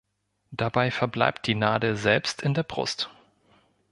Dabei verbleibt die Nadel selbst in der Brust.